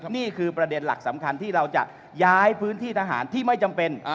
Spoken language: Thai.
นี่คือประเด็นหลักสำคัญที่เราจะย้ายพื้นที่ทหารที่ไม่จำเป็น